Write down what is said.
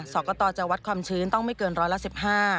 กรกตจะวัดความชื้นต้องไม่เกินร้อยละ๑๕